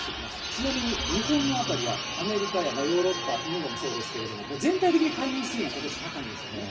ちなみに日本の辺りやアメリカやヨーロッパ、インドもそうですけど、全体的に海面水温、ことし高いんですよね。